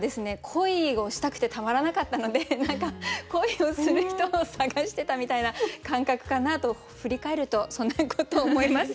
恋をしたくてたまらなかったので恋をする人を探してたみたいな感覚かなと振り返るとそんなことを思います。